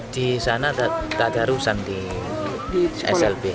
di sana tadarusan di slb